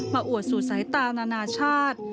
อวดสู่สายตานานาชาติ